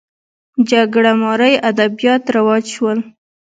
جګړه مارۍ ادبیات رواج شول